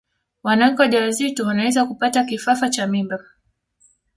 wanawake wajawazito wanaweza kupata kifafa cha mimba